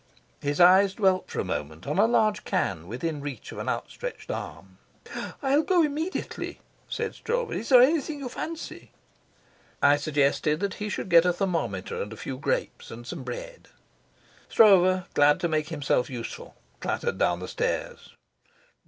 His eyes dwelt for a moment on a large can within reach of an outstretched arm. "I'll go immediately," said Stroeve. "Is there anything you fancy?" I suggested that he should get a thermometer, and a few grapes, and some bread. Stroeve, glad to make himself useful, clattered down the stairs.